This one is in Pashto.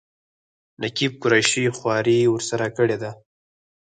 نقیب قریشي خواري ورسره کړې ده.